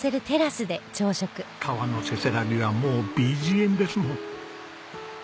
川のせせらぎがもうＢＧＭですもん。